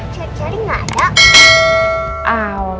cari cari gak ada